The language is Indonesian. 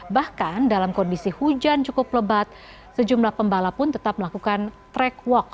bahkan dalam kondisi hujan cukup lebat sejumlah pembalap pun tetap melakukan track walk